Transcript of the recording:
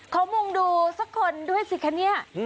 เขามุ่งดูสักคนด้วยสิคะเนี่ย